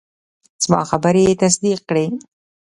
زما خبرې یې تصدیق کړې.